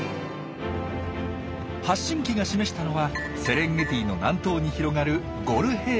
発信機が示したのはセレンゲティの南東に広がるゴル平原。